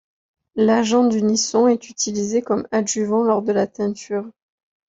L'agent d'unisson est utilisé comme adjuvant lors de la teinture.